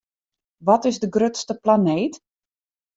Wat is de grutste planeet?